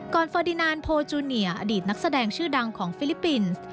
เฟอร์ดินานโพจูเนียอดีตนักแสดงชื่อดังของฟิลิปปินส์